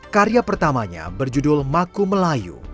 karya pertamanya berjudul maku melayu